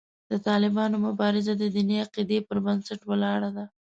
د طالبانو مبارزه د دیني عقیدې پر بنسټ ولاړه ده.